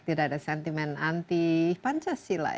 tidak ada sentimen anti pancasila